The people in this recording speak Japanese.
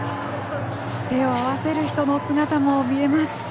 手を合わせる人の姿も見えます。